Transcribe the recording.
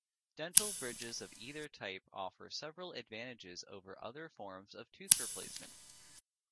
Dental bridges of either type offer several advantages over other forms of tooth replacement.